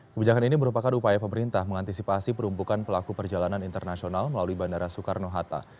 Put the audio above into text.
kebijakan ini merupakan upaya pemerintah mengantisipasi perumpukan pelaku perjalanan internasional melalui bandara soekarno hatta